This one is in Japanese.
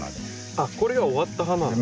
あっこれが終わった花なんですね。